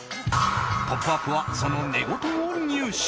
「ポップＵＰ！」はその寝言を入手。